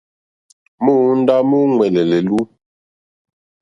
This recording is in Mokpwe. Móǒndá múúŋwɛ̀lɛ̀ lɛ̀lú.